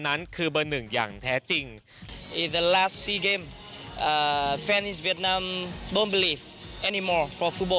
แล้วเขาพาทีมไปกับวิทยาลักษณะ๒๓